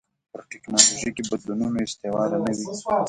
پر ټکنالوژیکي بدلونونو استواره نه وي.